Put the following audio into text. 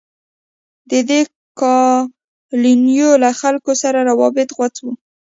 د دې کالونیو له خلکو سره رابطه غوڅه وه.